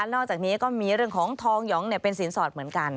อกจากนี้ก็มีเรื่องของทองหยองเป็นสินสอดเหมือนกัน